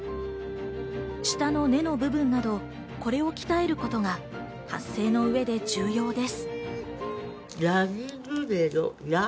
舌の根の部分など、これを鍛えることが発声の上で重要です。